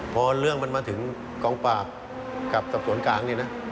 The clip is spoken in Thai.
พอเรื่องมันมาถึงกองปราบกับสอบสวนกลางนี่นะ